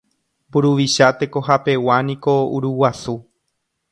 Mburuvicha tekohapeguániko Uruguasu